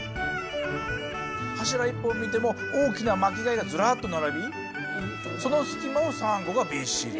柱一本見ても大きな巻き貝がずらっと並びその隙間を珊瑚がびっしり。